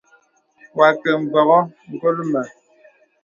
Wa kə mbɔŋɔ̀ ngɔl mə.